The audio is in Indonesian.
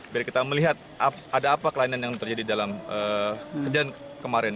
biar kita melihat ada apa kelainan yang terjadi dalam kejadian kemarin